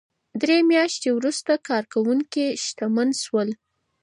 درې مياشتې وروسته کارکوونکي شکمن شول.